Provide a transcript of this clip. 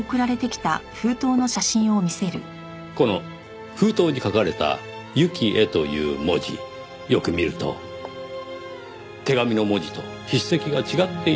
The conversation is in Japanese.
この封筒に書かれた「由季へ」という文字よく見ると手紙の文字と筆跡が違っているように見えます。